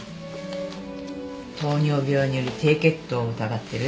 糖尿病による低血糖を疑ってる？